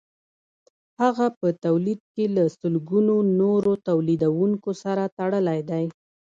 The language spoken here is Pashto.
هغه په تولید کې له سلګونو نورو تولیدونکو سره تړلی دی